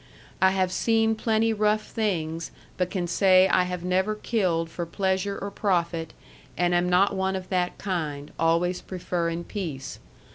I have seen plenty rough things but can say I have never killed for pleasure or profit and am not one of that kind, always preferring peace.